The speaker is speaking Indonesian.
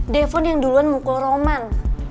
defon yang duluan mukul roman